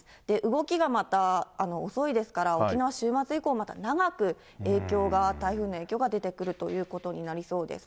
動きがまた遅いですから、沖縄、週末以降、また長く影響が、台風の影響が出てくるということになりそうです。